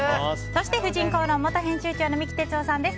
そして「婦人公論」元編集長の三木哲男さんです。